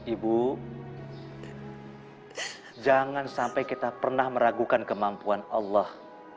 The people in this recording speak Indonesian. ibu jangan sampai kita pernah meragukan kemampuan allah